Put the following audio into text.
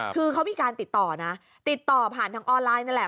คือเขามีการติดต่อนะติดต่อผ่านทางออนไลน์นั่นแหละ